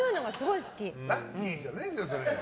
ラッキーじゃないんですよ。